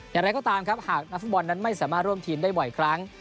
อย่างไรก็ตามครับหากนักฟุตบอลนั้นไม่สามารถร่วมทีมได้บ่อยครั้ง